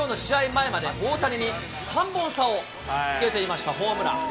前まで大谷に３本差をつけていました、ホームラン。